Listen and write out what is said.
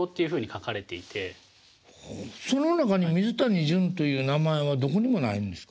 その中に「水谷隼」という名前はどこにもないんですか？